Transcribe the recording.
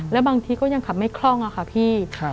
แล้วบางทีก็ยังขับไม่คล่องอะค่ะพี่